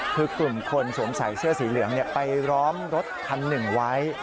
คือกลุ่มคนสวมใส่เสื้อสีเหลืองไปล้อมรถคันหนึ่งไว้